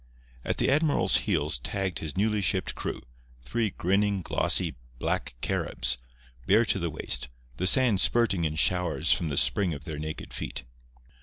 At the admiral's heels tagged his newly shipped crew—three grinning, glossy, black Caribs, bare to the waist, the sand spurting in showers from the spring of their naked feet.